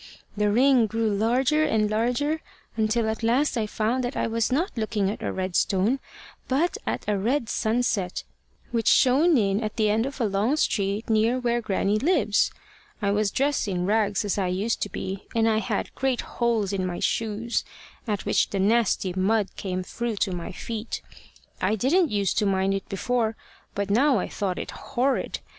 The ring grew larger and larger, until at last I found that I was not looking at a red stone, but at a red sunset, which shone in at the end of a long street near where Grannie lives. I was dressed in rags as I used to be, and I had great holes in my shoes, at which the nasty mud came through to my feet. I didn't use to mind it before, but now I thought it horrid.